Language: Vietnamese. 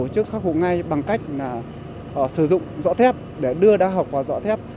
chức khắc phục ngay bằng cách sử dụng dõi thép để đưa đa học vào dõi thép